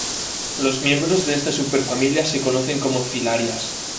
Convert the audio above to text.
Los miembros de esta superfamilia se conocen como filarias.